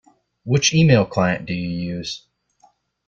Which email client do you use?